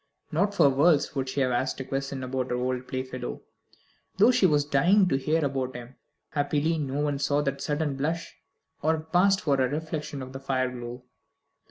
Not for worlds would she have asked a question about her old playfellow, though she was dying to hear about him. Happily no one saw that sudden blush, or it passed for a reflection of the fire glow.